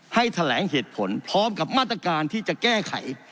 แถลงเหตุผลพร้อมกับมาตรการที่จะแก้ไข